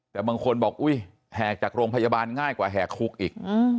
แต่บางคนบอกอุ๊ยแหกจากโรงพยาบาลง่ายกว่าแหกคุกอีก